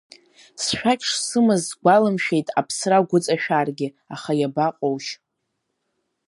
Сшәақь шсымаз сгәаламшәеит аԥсра агәыҵашәаргьы, аха иабаҟоушь…